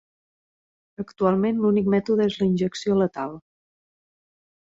Actualment, l'únic mètode és la injecció letal.